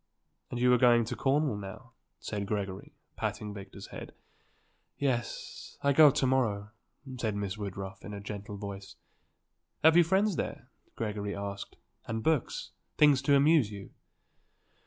"And you are going to Cornwall, now?" said Gregory, patting Victor's head. "Yes; I go to morrow," said Miss Woodruff in a gentle voice. "Have you friends there?" Gregory asked, "and books? Things to amuse you?"